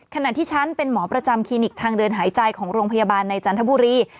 ขณะที่ฉันเป็นหมอประจำคลินิกทางเดินหายใจของโรงพยาบาลในจันทบุรี